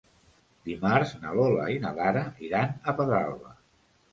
Dimarts na Lola i na Lara iran a Pedralba.